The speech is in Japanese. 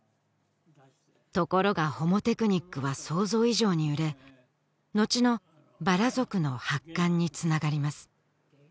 ところが「ホモテクニック」は想像以上に売れのちの「薔薇族」の発刊につながります